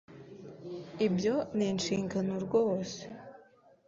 Ibyo ni inshingano rwose.